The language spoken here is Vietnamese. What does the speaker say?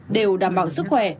đều đảm bảo sức khỏe